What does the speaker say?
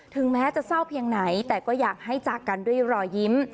แม้จะเศร้าเพียงไหนแต่ก็อยากให้จากกันด้วยรอยยิ้ม